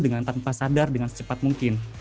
dengan tanpa sadar dengan secepat mungkin